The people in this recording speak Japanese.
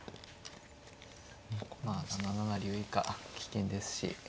まあ７七竜以下危険ですし。